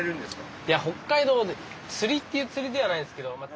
いや北海道で釣りっていう釣りではないんですけど。